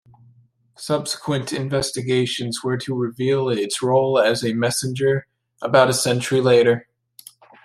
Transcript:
Subsequent investigations were to reveal its role as a messenger about a century later.